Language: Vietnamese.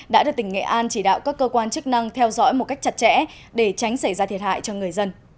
đã được tỉnh nghệ an chỉ đạo các cơ quan chức năng theo dõi một cách chặt chẽ để tránh xảy ra thiệt hại cho người dân